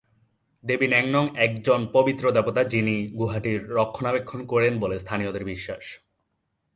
দেবী ন্যাং নন একজন পবিত্র দেবতা যিনি গুহাটির রক্ষণাবেক্ষণ করেন বলে স্থানীয়দের বিশ্বাস।